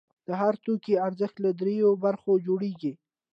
د هر توکي ارزښت له درېیو برخو جوړېږي